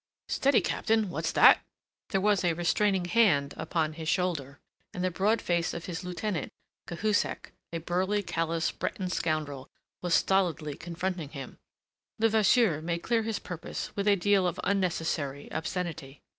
"Steady, Captain. What's that?" There was a restraining hand upon his shoulder, and the broad face of his lieutenant Cahusac, a burly, callous Breton scoundrel, was stolidly confronting him. Levasseur made clear his purpose with a deal of unnecessary obscenity.